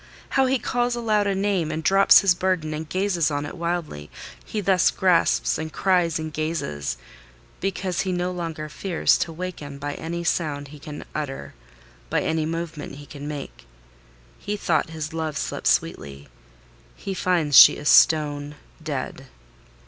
How he calls aloud a name, and drops his burden, and gazes on it wildly! He thus grasps and cries, and gazes, because he no longer fears to waken by any sound he can utter—by any movement he can make. He thought his love slept sweetly: he finds she is stone dead.